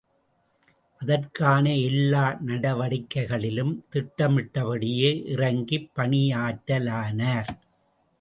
அதற்கான எல்லா நடவடிக்கைகளிலும் திட்டமிட்டபடியே இறங்கிப் பணியாற்றலானார்.